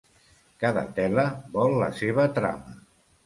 Cada tela vol la seva trama.